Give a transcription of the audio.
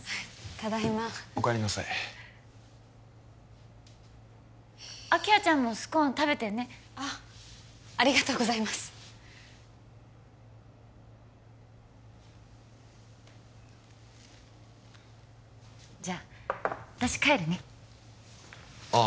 ただいまお帰りなさい明葉ちゃんもスコーン食べてねあっありがとうございますじゃ私帰るねああ